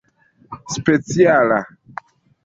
speciala